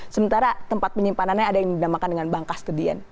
sementara tempat penyimpanannya ada yang dinamakan dengan bank kastidian